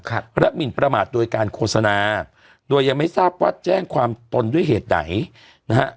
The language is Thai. ครับและหมินประมาทโดยการโฆษณาโดยยังไม่ทราบว่าแจ้งความตนด้วยเหตุไหนนะฮะ